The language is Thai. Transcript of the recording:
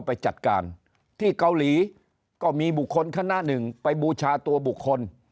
ไปจัดการที่เกาหลีก็มีบุคคลคณะหนึ่งไปบูชาตัวบุคคล